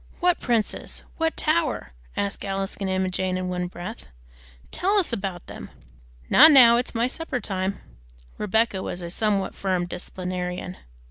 "What princes? What tower?" asked Alice and Emma Jane in one breath. "Tell us about them." "Not now, it's my supper time." (Rebecca was a somewhat firm disciplinarian.)